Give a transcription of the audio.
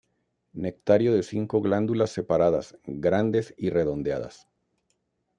Nectario de cinco glándulas separadas, grandes y redondeadas.